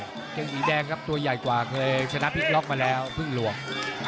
เกงสีแดงครับตัวใหญ่กว่าเคยชนะพลิกล็อกมาแล้วพึ่งหลวง